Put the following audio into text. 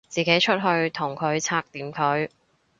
自己出去同佢拆掂佢